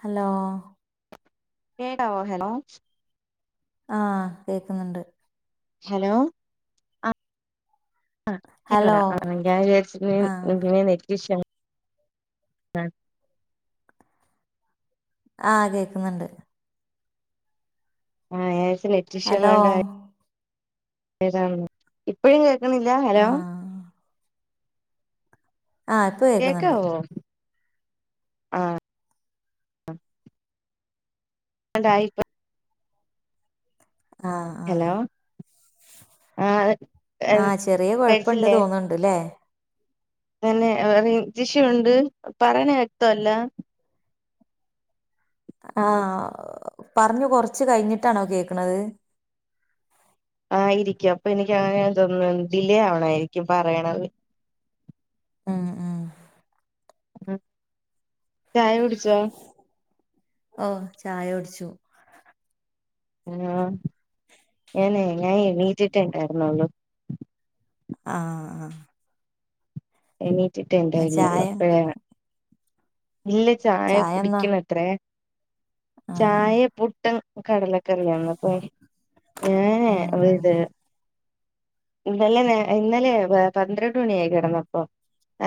Hello കേക്കാവോ hello ആഹ കേക്കുന്നുണ്ട് ഹലോ ഹലോ ആഹ് [unintelligible] ആഹ് കേൾക്കുന്നുണ്ട് ആഹ ഞാൻ വിചാരിച്ചു ഹലോ നെറ്റ്ഇഷ്യങ്ങണ്ട എതാ ഇപ്പോഴും കേൾക്കുന്നില്ല ഹലോ ആഹ് ആഹ് ഇപ്പൊ കേക്കുന്നുണ്ട് കേക്കാവോ ആഹ് [inaudible] യിപ്പം ആഹ് ആഹ് ഹലോ ആഹ് ആഹ് ചെറിയ കുഴപ്പുണ്ട് തോന്ന ണ്ട് അല്ലേ അന്നെ നെറ്റ്ഇഷുണ്ട് പറയണ വ്യക്ത അല്ല ആഹ പറഞ്ഞു കൊറച്ച് കഴിഞ്ഞിട്ടാണോ കേക്കണത് ആയിരിക്കും അപ്പൊ എനിക്ക് അങ്ങനെ എതൊന്ന ഡിലേ ആവണായിരിക്കും പറയണത് മ് മ് മ് ചായ കുടിച്ചോ ഓ ചായ ഒടിച്ചു ആഹ ഞനെ ഞൻ എണീറ്റിട്ട് ഉണ്ടായിരുന്നുള്ളു ആഹ് ആഹ് എണീറ്റിടെ ആഹ് ഉണ്ടായിരുന്ള്ളോ ചായ അപ്പഴ ഇല്ല ചായ ചായന്നാ കുടിക്കണ അത്രേ ആഹ് ചായ പുട്ടും കടലൊക്കെറിയന്ന പോ ഞാനേ ഉം അത് ഉം ഇന്നലെ ഇന്നലെ പന്ത്രണ്ട്മണിയായി കിടന്നപ്പോ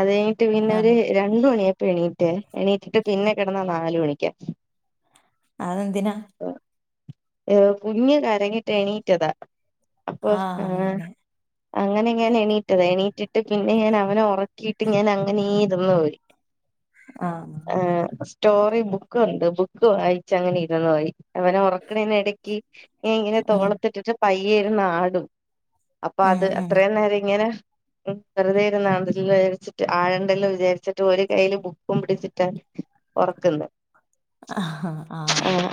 അത് കഴിഞ്ഞിട്ട് പിന്നെ ആഹ് ഒരു രണ്ട് മണിയപ്പ എണീറ്റ് എണീറ്റിട്ട് പിന്നെ കിടന്നാ നാലുമണിക്ക അത് എന്തിനാ ഏ കുഞ്ഞ് കരങ്ങിട്ട് എണീറ്റതാ അപ്പൊ ആഹ് അങ്ങനെ ഞാൻ എണീറ്റത് എണീറ്റിട്ട് പിന്നെ ഞാൻ അവനെ ഉറക്കിയിട്ട് ഞാൻ അങ്ങനെ [inaudible] ആഹ് ആഹ സ്റ്റോറി ബുക്കണ്ട് ബുക്ക് വായിച്ച അങ്ങനെ ഇരുന്ന് പോയി അവന ഉറക്കണേന് ഇടക്ക് ഞ ഇങ്ങനെ ഉം തോളത്തിട്ടിട്ട് പയ്യെഇരുന്ന് ആടും അപ്പൊ ഉം അത് ഉം അത്രയും നേരം ഇങ്ങനെ വെറുതെ ഇരുന്നതാണ് അല്ലാം വിചാരിച്ചിട്ട് ആഴണ്ടെല്ലാം വിചാരിച്ചിട്ട് ഒരു കൈയില് ബുക്കും പിടിച്ചിട്ട് ഒറക്കുന്നെ ആഹ്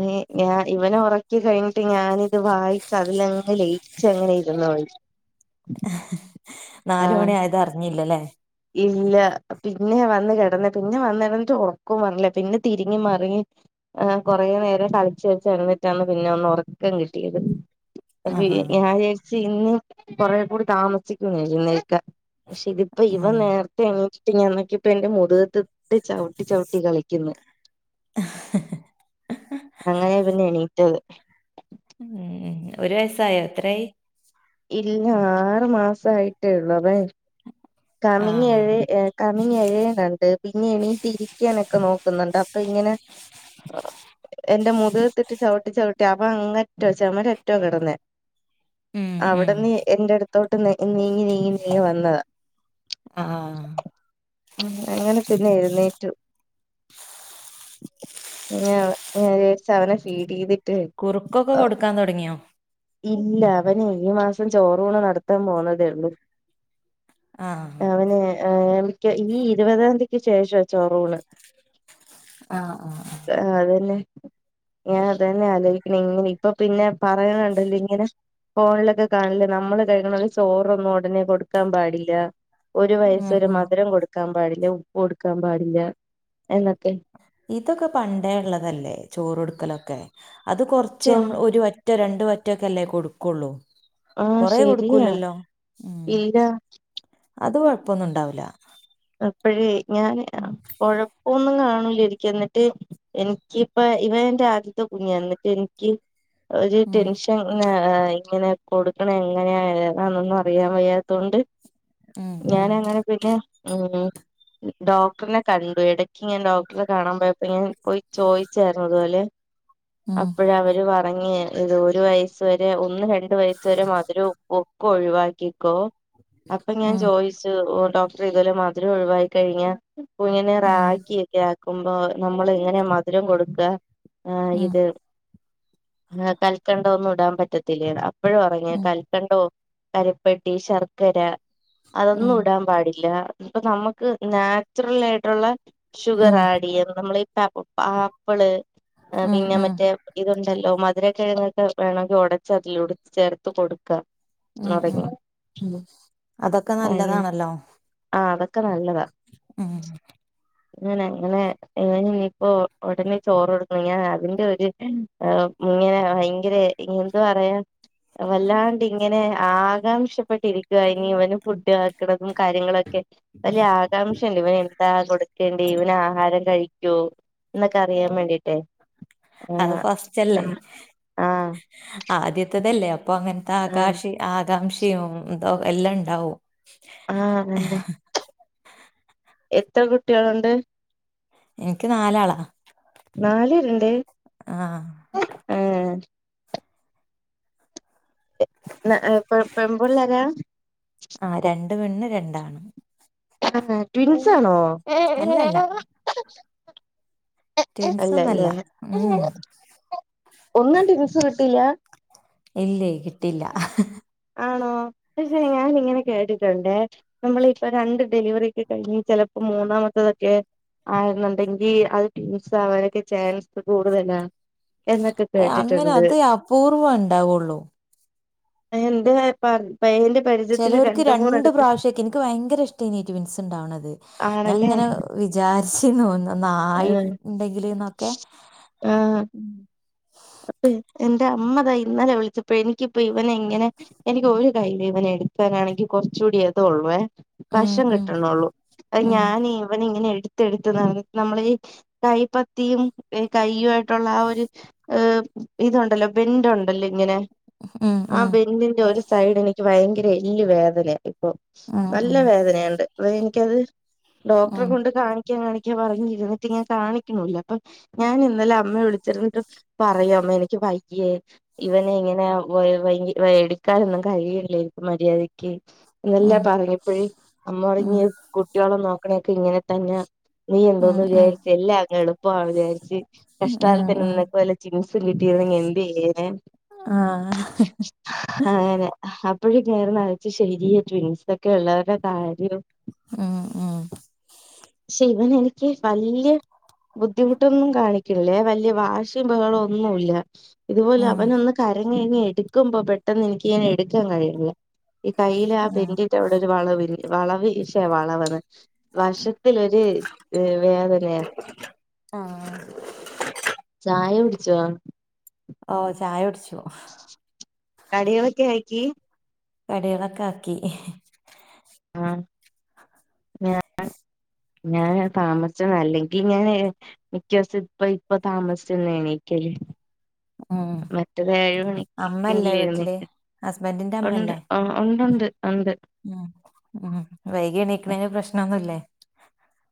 അ ഞാൻ ഇവന ഉറ കഴിഞ്ഞിട്ട് ഞാനിത് വായിച്ച് അതിലങ്ങ് ലയിച്ചങ്ങനെ ഇരുന്നുപോയി നാലു ആഹ് മണി ആയതറിഞ്ഞില്ലല്ലേ ഇല്ല പിന്നെ വന്ന് കെടന്നെ പിന്നെ വന്നെടന്നിട്ട് ഒറക്കോം വന്നില്ല പിന്നെ തിരിഞ്ഞും മറിഞ്ഞും ആഹ് കൊറേ നേരം [unintelligible] വെച്ച് കെടന്നിട്ടാണ് പിന്നെ ഒന്ന് ഒറക്കം കിട്ടിയത് ആഹ് ഞാൻ ആഹ് വിചാരിച്ച് ഇന്ന് കൊറെ കൂടി താമസിക്കും എഴുന്നേല്ക്കാൻ പക്ഷെ ഇതിപ്പ ഈ ഉം നേരത്തെ എണീറ്റിട്ട് ഞാൻ നോക്കിയപ്പോ എന്റെ മുതുകത്തിട്ട് ചവിട്ടി ചവിട്ടി കളിക്കുന്ന് അങ്ങനെയാ പിന്നെണീറ്റത് ഉം ഒരു വയസായോ എത്രായി ഇല്ലാ ആറുമാസം ആയിട്ടേയുള്ളു അതാ ഞാൻ ചോ ആഹ് കമിങ്ങേഴേ ഏഹ് കമിങ്ങേഴേനൊണ്ട് പിന്നെ എണീറ്റിരിക്കാനൊക്കെ നോക്കുന്നൊണ്ട് അപ്പൊ ഇങ്ങനെ [inaudible] എന്റെ മുതുകത്തിട്ട് ചവിട്ടി ചവിട്ടി അവ അങ്ങേറ്റവാ ചെമരറ്റവാ കെടന്നെ ഉം ഉം അവടന്ന് എ എൻ്റെടുത്തോട്ട് നേ നീങ്ങി നീങ്ങി നീങ്ങി വന്നതാ ആഹ് ഉം അങ്ങനെ പിന്നെ എഴുന്നേറ്റു ഉം ഞാ ഞാൻ വിചരിച്ചവനെ ഫീഡ് ചെയ്തി കുറുക്കൊക്കെ കൊടുക്കാൻ തൊടങ്ങിയോ ഇല്ല അവനേ ഈ മാസം ചോറൂണ് നടത്താൻ പോണതേ ഒള്ളൂ ആഹ് അവന് ആഹ് മിക്ക ഈ ഇരുപതാംതീക്ക് ശേഷവാ ചോറൂണ് ആഹ് ആഹ് ആഹ് അതന്നെ ഞാൻ അത് തന്നെ ആലോചിക്കണെ ഇങ്ങനെ ഇപ്പൊ പിന്നെ പറയണണ്ടല്ലിങ്ങനെ ഫോണിലൊക്കെ കാണില്ലേ നമ്മള് കഴിക്കണപോലെ ചോറൊന്നും ഒടനെ കൊടുക്കാൻ പാടില്ല ഒരു വയസ്സ് ഉം വരെ ഉം മധുരം കൊടുക്കാൻ പാടില്ല ഉപ്പ് കൊടുക്കാൻ പാടില്ല എന്നൊക്കെ ഇതൊക്കെ പണ്ടേ ഒള്ളതല്ലേ ചോറൊടുക്കലൊക്കെ അത് കൊറച്ച് ചോ നമ്മ ഒരു വ റ്റ് രണ്ട് വറ്റൊക്കെ അല്ലേ കൊടുക്കുവൊള്ളൂ ആഹ് കൊറേ ശരിയാ കൊടുക്കൂലല്ലോ ഉം ഇല്ല അത് കൊഴപ്പൊന്നുണ്ടാവൂല്ല അപ്പഴേ ഞാന് ഉം കൊഴപ്പൊന്നും കാണൂലാരിക്കും എന്നിട്ട് എനിക്കിപ്പ ഇവൻ എന്റെ ആദ്യത്തെ കുഞ്ഞാ ന്നിട്ട് എനിക്ക് ഒരു ഉം ടെൻഷൻ ഉം ആഹ് ഇങ്ങനെ കൊടുക്കണം എങ്ങനെയാ ഏതാന്നൊന്നും അറിയാൻ വയ്യാത്തോണ്ട് ഉം ഉം ഞാനങ്ങനെ പിന്നെ ഉം ഡോക്ടറിനെ കണ്ടു എട ക്ക് ഞാൻ ഡോക്ടറെ കാണാൻ പോയപ്പോ ഇങ്ങനെ പോയി ചോയിച്ചാരുന്നു അതുപോലെ ഉം അപ്പഴാ അവര് പറ [unintelligible] ഇത് ഒരു വയസ്സ് വരെ ഒന്ന് രണ്ട് വയസ് വരെ മധുരം ഉപ്പുവൊക്കെ ഒഴിവാക്കിക്കോ അപ്പൊ ഞാൻ ഉം ചോയിച്ചു ഓഹ് ഡോക്ടറെ ഇതുപോലെ മധുരം ഒഴിവായി കഴിഞ്ഞ കുഞ്ഞിനെ ഉം റാഗിയൊക്കെ ആക്കുമ്പോ നമ്മൾ എങ്ങനെ മധുരം കൊടുക്കുക ആഹ് ഉം ഇത് ആഹ് കൽക്കണ്ടവൊന്നും ഇടാൻ പറ്റത്തി ത്തില്ലെന്ന് അപ്പഴ പറഞ്ഞെ ഉം കൽക്കണ്ടോ കരിപ്പട്ടി ശർക്കര അതൊന്നും ഉം ഇടാൻ പാടില്ല ഇപ്പൊ നമുക്ക് നാച്ചുറൽ ആയിട്ടുള്ള ഷുഗർ ഉം ആഡ് ചെയ്യ നമ്മള ആപ്പിള് ഉം പിന്നെ ഉം മറ്റേ ഇതുണ്ടല്ലോ മധുരക്കിഴങ്ങൊക്കെ വേണങ്കിൽ ഒടച്ച [unintelligible] ചേർത്ത് കൊടുക്ക. ഉം ഉം അതൊക്കെ [unintelligible] നല്ലതാണല്ലോ ആഹ് അതൊക്കെ നല്ലതാ ഉം ഇങ്ങനെ ഇങ്ങനെ ഇങ്ങനെ ഇനിയിപ്പോ ഒടനെ ചോറൊടുക്കണം ഞാൻ അതിന്റെ ഒരു ആഹ് ഇങ്ങനെ ഭയങ്കര ഇനി എന്ത് പറയാ വല്ലാണ്ടിങ്ങനെ ആകാംക്ഷപ്പെട്ടിരിക്കുക ഇനി ഇവന് ഫുഡ് ആക്കണം കാര്യങ്ങളൊക്കെ വലിയ ആകാംക്ഷയുണ്ട് ഇവന എന്താ കൊടു [unintelligible] ഇവന് ആഹാരം കഴിക്കോ എന്നൊക്കെ അറിയാൻ വേണ്ടിട്ടേ അത് ഫസ്റ്റ് അല്ലേ ആഹ് ആദ്യത്തതല്ലേ അപ്പൊ അങ്ങൻത്തെ ആഹ് ആകാശ ആകാംക്ഷയും എന്ത എല്ലാം ഇണ്ടാവും ആഹ് അതന്നെ എത്ര കുട്ടിയാള്ണ്ട് എനിക്ക് നാലാളാ നാല് പേരുണ്ട് ആഹ് ആഹ് ന്ന പെ പെമ്പുള്ളാരാ ആഹ് രണ്ട് പെണ്ണ് രണ്ടാണ് ആഹ് ട്വിൻസാണോ അല്ലല്ല [inaudible] ട്വിൻസ് ഒന്നുല്ല അല്ലല്ലേ ഉം ഉം ഒന്നും ടിൻസ് കിട്ടില്ല ഇല്ലേ കിട്ടിയില്ല ആണോ പക്ഷെ ഞാനിങ്ങനെ കേട്ടിട്ടുണ്ടേ നമ്മൾ ഇപ്പ രണ്ട് ഡെലിവറി ഒക്കെ കഴിഞ്ഞ് ചെലപ്പോ മൂന്നാമത്തതൊക്കെ ആകുന്നുണ്ടെങ്കിൽ അത് ട്വിൻസ് ആവാനൊക്കെ ചാൻസ് കൂടുതലാണ് എന്നൊക്കെ കേട്ടിട്ടുണ്ട് പൂർവ്വം ഉണ്ടാവുള്ളൂ എന്ത് [unintelligible] പയ്യന്റെ പരിചയത്തില് രണ്ട് മൂന്നടുത്ത് ഇൻക്ക് ഭയങ്കര ഇഷ്ടയിനി ട്വിൻസ് ഉണ്ടാവ്ണത്. ആണല്ലേ വിചാരിച്ചിനു ഒന്ന് ആഹ് ഒന്നായിണ്ടെങ്കിൽന്നൊക്കെ. അപ്പ എന്റെ അമ്മതാ ഇന്നലെ വിളിച്ചപ്പോ എനിക്കിപ്പ ഇവന എങ്ങനെ. എനിക്ക് ഒരു കയ്ൽ ഇവനെ എടുക്കാനാണെങ്കിൽ കുറച് കൂടി അതള്ളൂ ഉം വഷം ഉം കിട്ടണള്ളൂ. അത് ഉം ഞാൻ ഇവന ഇങ്ങനെ എടുത്ത്ടുത്ത് നടന്നിട്ട് നമ്മള ഈ. കൈപ്പത്തിയും കയ്യു ട്ടുള്ള ആ ഒരു ഇതുണ്ടല്ലോ ബെൻ്റുണ്ടല്ലോ ഇങ്ങനെ. ഉം ആ ഉം ബെൻ്റ്ന്റെ ഒരു സൈഡ് എനിക്ക് ഭയങ്കര എല്ല് വേദനയ ഇപ്പൊ. ഉം നല്ല ഉം വേദനയുണ്ട് എനിക്കത് ഡോക്ടറെ ഉം കൊണ്ട് കാണിക്ക കാണിക്കാ പറഞ്ഞിരുന്നിട്ട് ഞാൻ കാണിക്കണൂല്ല അപ്പൊ ഞാൻ ഇന്നലെ അമ്മയ വിളിച്ചിരിന്നിട്ട്. പറയ് അമ്മേ എനിക്ക് വയ്യേ ഇവന ഇങ്ങനെ [unintelligible] എടുക്കാനൊന്നും കഴിയ്ണില്ല എനിക് മര്യാദിക്ക്. എല്ല ഉം പറഞ്ഞപ്പഴി അമ്മ ഉം പറഞ്ഞ് ഉം കുട്ടികള നോക്കണൊക്കെ ഇങ്ങനെ തന്നെ. നീ ഉം എന്തോന്ന് വിചാരിച് എല്ല അങ്ങനെ എളുപ്പാണ് വിചാര്ച്ച് ഉം കഷ്ടാലത്തി നിന്ന് ഉം വല്ല ട്വിൻസും കിട്ടിയിര്ന്നെങ്കി എന്തെയ്യേനെ ആഹ് അങ്ങനെ അപ്പഴക്കെ ഞാ ഇരുന്ന് ആലോയിച്ച് ശരിയ ട്വിൻസൊക്കെ ഇള്ളവരുടെ കാര്യം ഉം ഉം പക്ഷെ ഇവന് എനിക്ക് വല്ല്യ ബുദ്ധിമുട്ടൊന്നും കാണിക്കൂലേ വല്യ വാശി വാശിയും ബഹളും ഒന്നുവില്ല ഇതുപോലെ ഉം അവനൊന്ന് കരഞ്ഞ് കഴിഞ്ഞ എടുക്കുമ്പം പെട്ടെന്ന് എനിക്കിങ്ങനെ എടുക്കാൻ കഴിയ്ണില്ല. ഈ കയ്യില് ആ ഉം പെന്റിന്റെ അവിടൊരു വളവ വളവ് ശ്ശെ വളവെന്ന് വശത്തിലൊരു വേദനയാ ആഹ് ചായ കുടിച്ചോ? ഓഹ് ചായ കുടിച്ചു. കടികളൊക്കെ ആക്കി? കടികളൊക്കാക്കി. ആഹ്. ഞാൻ ഞാന് താമസിച്ചെത അല്ലെങ്കി ഞ്ഞാന്. മിക്ക ദിവസം ഇപ്പ ഇപ്പ താമസിച്ചന്നെ എണീക്കല് ഉം മറ്റെത് ഏഴ് അമ്മല്ലേ മണിക്കെങ്കിലും വീട്ടില് എഴുന്നേൽക്കും ഹസ്ബൻറിന്റെ ഉണ്ട് അമ്മല്ലേ? ആഹ് ഉണ്ട്ണ്ട് ഉണ്ട്. ഉം ഉം വൈകി എണീക്ക്ണേന് പ്രശ്നൊന്നുല്ലേ?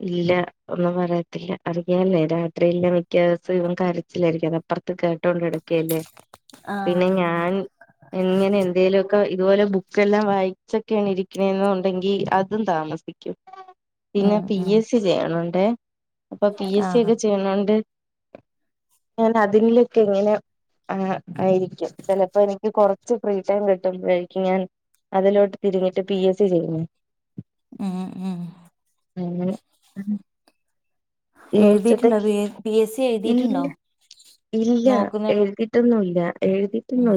ഇല്ല ഒന്നും പറയത്തില്ല അറിയാല്ലേ രാത്രിയില് മിക്ക ദിവസം ഇവൻ കരച്ചിലായിരിക്കും. അത് അപ്പറത്ത് കേട്ടോണ്ട് കിടക്കയല്ലേ ആഹ് പിന്നെ ഞാൻ ഇങ്ങനെ എന്തേലുവൊക്കെ ഇതുപോലെ ബുക്കെല്ലാം വായിച്ചൊക്കെയാണ് ഇരിക്ക്ണേന്ന് ഉണ്ടെങ്കി അതും താമസിക്കും. പിന്നെ ഉം പി. ഉം എസ്. സി. ചെയ്യണുണ്ടേ അപ്പൊ പി. എസ്. സി ആഹ് ഒക്കെ ചെയ്യ്ണോണ്ട്. ഞാന് അതിനിലൊക്കെ ഇങ്ങനെ അങ്ങ് ആയിരിക്കും ചെലപ്പോ എനിക്ക് കൊറ റച്ച് ഫ്രീടൈം കിട്ടുമ്പയേക്കും ഞാൻ അതിലോട്ട് തിരിഞ്ഞിട്ട് പി എസ് സി ചെയ്യുവേ ഉം ഉം അങ്ങനെ ആഹ് എഴുതിയിട്ടുണ്ടോ? പി എസ് സി എഴുതിയിട്ടുണ്ടോ? ഇല്ല ഇല്ല നോക്കുന്നുള്ളൂ എഴുതിയിട്ടൊന്നുല്ല എഴുതി ഉം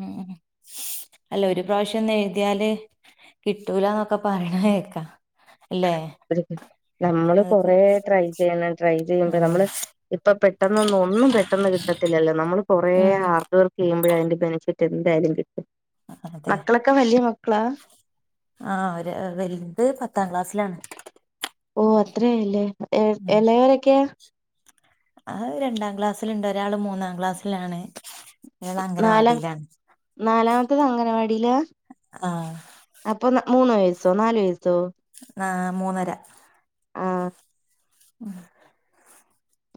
ഉം അല്ല ഒരു പ്രാവിശ്യൊന്ന് എഴുതിയാല്. കിട്ടൂലാന്നൊക്കെ പറയ്ണ കേക്കാ അല്ലേ? നമ്മള് അതൊക്കെ കൊറേ ട്രൈ ചെയ്യണം ട്രൈ ചെയ്യുമ്പ നമ്മള് ആഹ് ഇപ്പൊ പെട്ടന്നൊന്നും ഒന്നും പെട്ടെന്ന് കിട്ടത്തില്ലല്ലോ നമ്മൾ കൊറേ ഉം ഹാർഡ് വർക്ക് ചെയ്യുമ്പഴേ അതിന്റെ ബെനിഫിറ്റ് എന്തായാലും കിട്ടും അതെ മക്കളൊക്കെ വല്ല്യ മക്കളാ? ആഹ് ഒരു വല്ത് പത്താം ക്ലാസ്സിലാണ് ഓഹ് അത്ര ആയല്ലേ എളയവര് ഒക്കെയേ? അഹ് രണ്ടാം ക്ലാസ്സില്ണ്ട് ഒരാള് മൂന്നാം ക്ലാസ്സിലാണ് ഒരാള് നാലാ അംഗനവാടിയിലാണ് നാലാമത്തേത് അംഗനവാടിയിലാ? ആഹ് അപ്പൊ മൂന്ന് വയസ്സോ നാല് വയസ്സോ? ആഹ് മൂന്നര ആഹ് ഉം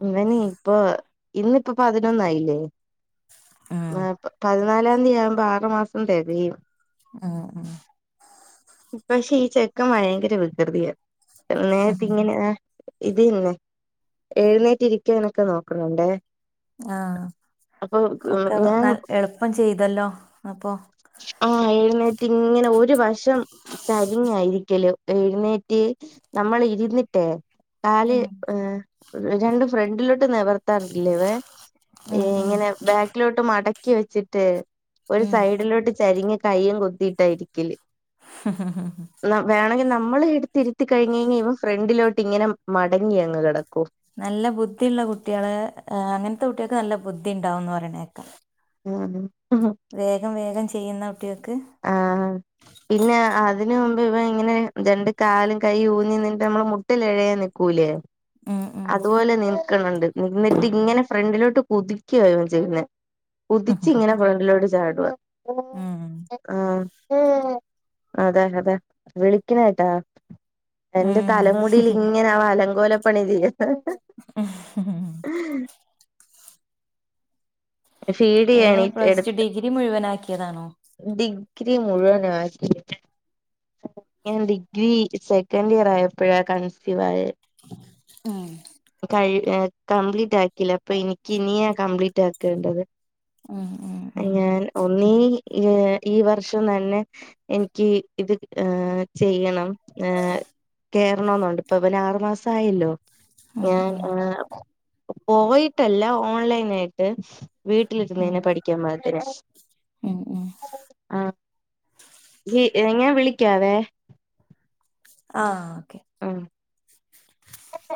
ഇവന് ഇപ്പൊ ഇന്നിപ്പൊ പതിനൊന്നായില്ലേ? ഉം പതിനാലാം തീയതി ആവുമ്പോ ആറ് മാസം തികയും ആഹ് ആഹ് പക്ഷെ ഈ ചെക്കൻ ഭയങ്കര വികൃതിയാ നേരത്തെ ഇങ്ങനെ ഇത് തന്നെ എഴുന്നേറ്റിരിക്കാനൊക്കെ നോക്കണ് ണ്ടേ ആഹ് ഒക്കെ ഞാൻ നൽ എളുപ്പം ചെയ്തല്ലോ അപ്പൊ ആഹ് എഴുന്നേറ്റിങ്ങനെ ഒരു വശം ചരിഞ്ഞാ ഇരിക്കല് എഴുന്നേറ്റ് നമ്മൾ ഇരുന്നിട്ടേ കാല് ഉം ഏഹ് രണ്ട് ഫ്രണ്ടിലോട്ട് നിവർ ട്ടാറില്ലാ ഇവൻ ഈ ഉം ഉം ഇങ്ങനെ ബാക്കിലോട്ട് മടക്കി വെച്ചിട്ട് ഒരു ഉം സൈഡിലോട്ട് ചരിഞ്ഞ് കയ്യും കറുത്തിയിട്ടാ ഇരിക്കല് ഹ ഹ ഹാ ഹ നമ് വേണെങ്കി നമ്മളെ എടുത്തിരുത്തി കഴിഞ്ഞ് കഴിഞ്ഞാ ഇവൻ ഫ്രണ്ടിലോട്ട് ഇങ്ങനെ മടങ്ങി അങ്ങ് കെടക്കും നല്ല ബുദ്ധിയുള്ള കുട്ട്യേള് ഏഹ് അങ്ങൻത്തെ കുട്ട്യേക്ക് നല്ല ബുദ്ധി ഇണ്ടാവൂന്ന് പറയണ കേക്കാം [unintelligible] വേഗം വേഗം ചെയ്യുന്ന കുട്ട്യേക്ക് ആഹ് പിന്നെ അതിന് മുമ്പ് ഇവൻ ഇങ്ങനെ രണ്ട് കാലും കൈയ്യും ഊന്നി നിന്നിട്ട് നമ്മള് മു ട്ടിലെഴയാൻ നിക്കൂലേ ഉം ഉം അതുപോലെ നിൽക്ക്ന്ന്ണ്ട് നിന്നിട്ട് ഇങ്ങനെ ഫ്രണ്ടിലോട്ട് കുതിക്കുവാ ഇവൻ ചെയ്യുന്നെ കുതിച്ചിങ്ങനെ ഫ്രണ്ടിലോട്ട് ചാടുവാ ഉം ആഹ് അതെ അതെ വിളിക്കണ കേട്ടാ? എന്റെ ഉം തലമുടിലിങ്ങനെ അവൻ അലങ്കോലപ്പണി ചെയ്യാ എങ്ങനെ പ്ലസ് ടു ഫീഡിയ്യാനെണീറ്റെട്ത്ത് ഡിഗ്രി മുഴുവനാക്കിയതാണോ ഡിഗ്രി മുഴുവനാക്കി ഞാൻ ഡിഗ്രി സെക്കൻഡ് ഇയർ ആയപ്പഴാ കൺസീവായെ ഉം കഴി ഏഹ് കംപ്ലീറ്റ് ആക്കീല്ലാ അപ്പൊ എനിക്ക് ഇനിയാ കംപ്ലീറ്റ് ആക്കേണ്ടത് ഉം ഉം ഉം ഞാൻ ഒന്നീ ഏഹ് ഈ വർഷം തന്നെ എനിക്ക് ഇത് ഏഹ് ചെയ്യണം ഏഹ് കേറണോന്നൊണ്ട് ഇപ്പൊ അവന് ആറു മാസായല്ലോ ഉം ഞാൻ ഉം ആഹ് പോയിട്ടല്ലാ ഓൺലൈനായിട്ട് വീട്ടിലിരുന്ന് ഉം തന്നെ പഠിക്കാൻ പാകത്തിന് ഉം ഉം ആഹ് [unintelligible] ഞാൻ വിളിക്കാവേ ആഹ് ഓക്കെ ഉം ആ